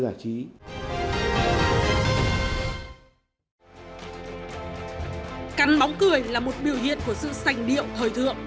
cắn bóng cười là một biểu hiện của sự sành điệu thời thượng